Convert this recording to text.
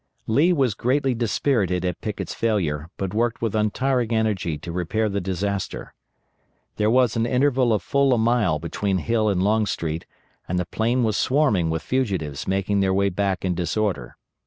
Lee was greatly dispirited at Pickett's failure, but worked with untiring energy to repair the disaster. There was an interval of full a mile between Hill and Longstreet, and the plain was swarming with fugitives making their way back in disorder.